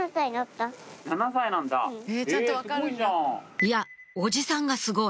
いやおじさんがすごい！